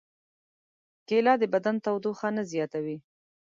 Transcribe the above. کېله د بدن تودوخه نه زیاتوي.